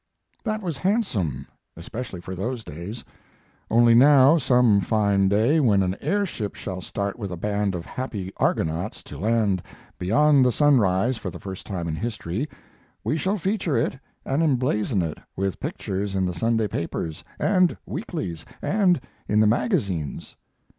That was handsome, especially for those days; only now, some fine day, when an airship shall start with a band of happy argonauts to land beyond the sunrise for the first time in history, we shall feature it and emblazon it with pictures in the Sunday papers, and weeklies, and in the magazines.